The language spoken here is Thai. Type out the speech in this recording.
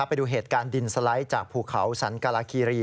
ไปดูเหตุการณ์ดินสไลด์จากภูเขาสันกราคีรี